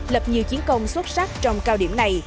lập nhiều chiến công xuất sắc trong cao điểm này